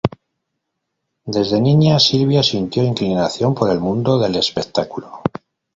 Desde niña Silvia sintió inclinación por el mundo del espectáculo.